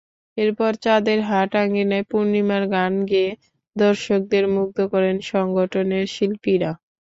এরপর চাঁদের হাট আঙিনায় পূর্ণিমার গান গেয়ে দর্শকদের মুগ্ধ করেন সংগঠনের শিল্পীরা।